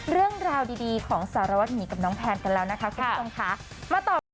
เรื่องราวดีของสารวรรดิกับน้องแพนกันแล้วนะคะคุณผู้ชมค่ะ